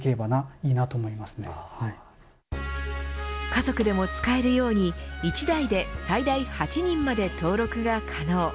家族でも使えるように１台で最大８人まで登録が可能。